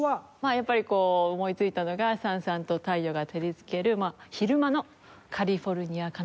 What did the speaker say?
やっぱり思いついたのがさんさんと太陽が照りつける昼間のカリフォルニアかなと思いました。